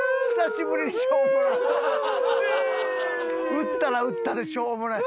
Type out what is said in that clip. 打ったら打ったでしょうもない。